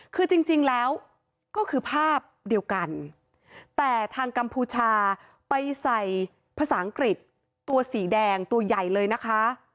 คือจริงแล้วก็คือภาพเดียวกันแต่ทางกัมพูชาไปใส่ภาษาอังกฤษตัวสีแดงตัวใหญ่เลยนะคะ